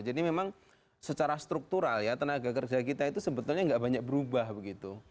jadi memang secara struktural ya tenaga kerja kita itu sebetulnya tidak banyak berubah begitu